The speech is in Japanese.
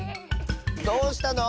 どうしたの？